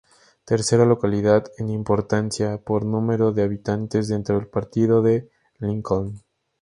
Tercera localidad en importancia, por número de habitantes dentro del Partido de Lincoln.